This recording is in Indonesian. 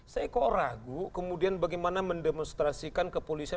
saya kok ragu kemudian bagaimana mendemonstrasikan ke polisnya